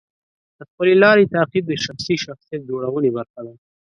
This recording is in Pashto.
د خپلې لارې تعقیب د شخصي شخصیت جوړونې برخه ده.